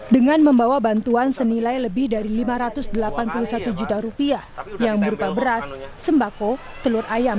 dengan membawa bantuan senilai lebih dari lima ratus delapan puluh satu juta rupiah yang berupa beras sembako telur ayam